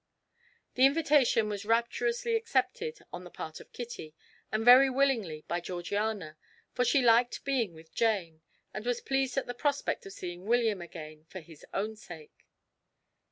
The invitation was rapturously accepted on the part of Kitty, and very willingly by Georgiana, for she liked being with Jane, and was pleased at the prospect of seeing William again for his own sake.